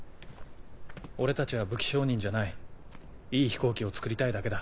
俺たちは武器商人じゃないいい飛行機をつくりたいだけだ。